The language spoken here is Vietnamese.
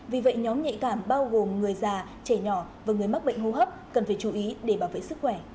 vì vậy nhóm nhạy cảm bao gồm người già trẻ nhỏ và người mắc bệnh hô hấp cần phải chú ý để bảo vệ sức khỏe